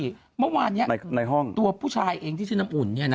หรือต้องรอบบี้เมื่อวานเนี้ยในห้องตัวผู้ชายเองที่ชื่อน้ำอุ่นเนี่ยนะฮะ